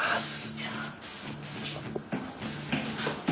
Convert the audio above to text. じゃあ。